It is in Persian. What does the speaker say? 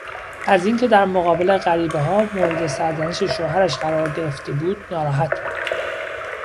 از اینکه در مقابل غریبهها مورد سرزنش شوهرش قرار گرفته بود ناراحت بود.